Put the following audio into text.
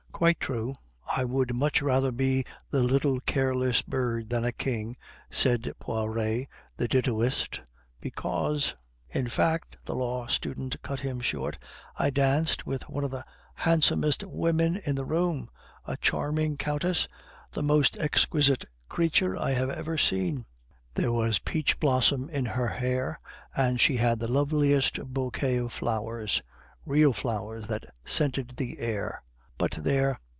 "Quite true; I would much rather be the little careless bird than a king," said Poiret the ditto ist, "because " "In fact" the law student cut him short "I danced with one of the handsomest women in the room, a charming countess, the most exquisite creature I have ever seen. There was peach blossom in her hair, and she had the loveliest bouquet of flowers real flowers, that scented the air but there!